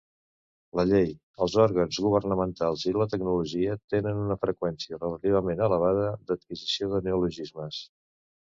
La llei, els òrgans governamentals i la tecnologia tenen una freqüència relativament elevada d'adquisició de neologismes.